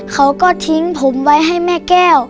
เขาก็ทิ้งผมไว้ให้แม่แก้ว